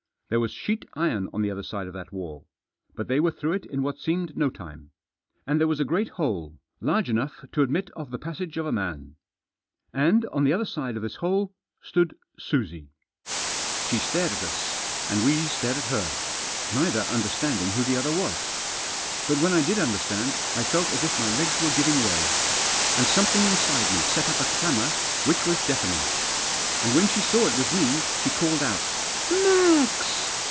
There was sheet iron on the other side that wall. But they were through it in what seemed no time. And there was a great hole, large enough to admit of the passage of a man. And on the other side of this hole stood Susie. She stared at us, and we stared at her, neither under standing who the other was. But when I did understand I felt as if my legs were giving way. And something inside me set up a clamour which was deafening. And when she saw it was me she called out: " Max